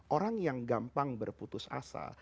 orang yang gampang berputus asa